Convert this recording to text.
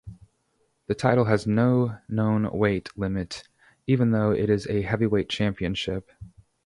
The title has no known weight-limit, even though it is a heavyweight championship.